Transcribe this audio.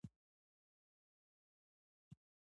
یوه زمیندار ترمنځ.